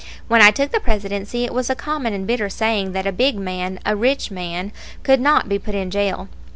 When I took the Presidency, it was a common and bitter saying that a big man, a rich man, could not be put in jail.